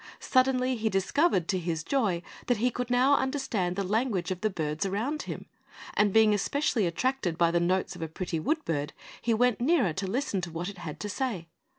Suddenly he discovered, to his joy, that he could now understand the language of the birds around him; and being especially attracted by the notes of a pretty wood bird, he went nearer to listen to what it had to say.